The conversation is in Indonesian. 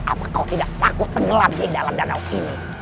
apa kau tidak takut tenggelam di dalam danau ini